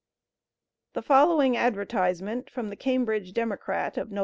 The following advertisement from The Cambridge Democrat of Nov.